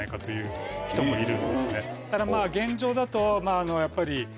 ただまぁ現状だとやっぱり。